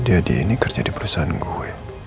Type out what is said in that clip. jadi adi adi ini kerja di perusahaan gue